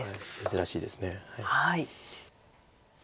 珍しいです。